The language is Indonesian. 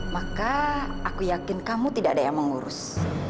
maka aku yakin kamu tidak ada yang mengurus